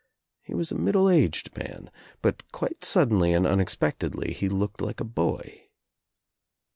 He was a middle aged man, but quite suddenly and unexpectedly he looked like a boy.